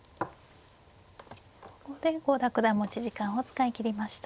ここで郷田九段持ち時間を使い切りました。